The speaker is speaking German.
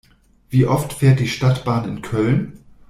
Wie oft fährt die Stadtbahn in Köln?